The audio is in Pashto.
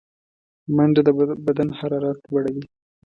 منډه د بدن حرارت لوړوي